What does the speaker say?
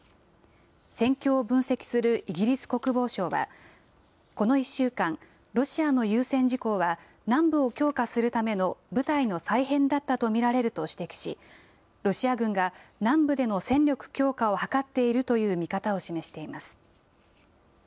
戦況を分析するイギリス国防省は、この１週間、ロシアの優先事項は、南部を強化するための部隊の再編だったとみられると指摘し、ロシア軍が南部での戦力強化を図っているという見方を示しています。